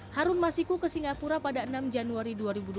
harun masiku ke singapura pada enam januari dua ribu dua puluh